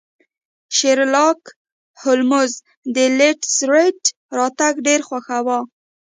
شیرلاک هولمز د لیسټرډ راتګ ډیر خوښاوه.